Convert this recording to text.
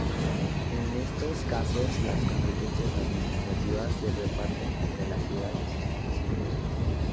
En estos casos, las competencias administrativas se reparten entre la ciudad y sus municipios.